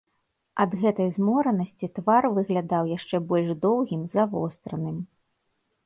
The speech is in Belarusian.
Ад гэтай зморанасці твар выглядаў яшчэ больш доўгім, завостраным.